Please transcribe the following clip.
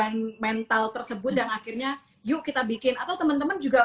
mungkin karena tu berdua orang yang nyokap sama itu aku bikin een yang kurang bisa